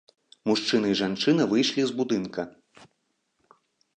Мужчына і жанчына выйшлі з будынка.